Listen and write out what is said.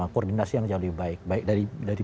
koordinasi yang jauh lebih baik baik dari